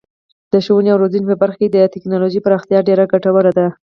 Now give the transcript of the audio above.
د ښوونې او روزنې په برخه کې د تکنالوژۍ پراختیا ډیره ګټوره ده.